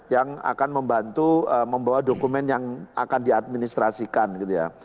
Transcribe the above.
yang akan membantu membawa dokumen yang akan diadministrasikan gitu ya